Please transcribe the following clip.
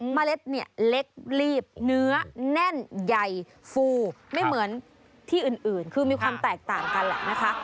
เล็ดเนี่ยเล็กรีบเนื้อแน่นใหญ่ฟูไม่เหมือนที่อื่นคือมีความแตกต่างกันแหละนะคะ